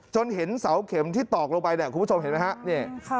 จนเห็นเสาเข็มที่ตอกลงไปคุณผู้ชมเห็นไหม